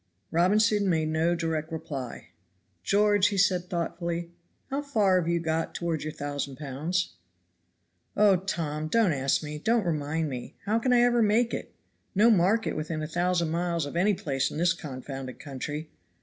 Robinson made no direct reply. "George," said he thoughtfully, "how far have you got toward your thousand pounds?" "Oh, Tom! don't ask me, don't remind me! How can I ever make it? No market within a thousand miles of any place in this confounded country!